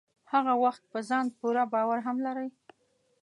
هغه وخت په ځان پوره باور هم لرئ.